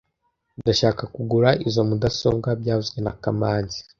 Ndashaka kugura izoi mudasobwa byavuzwe na kamanzi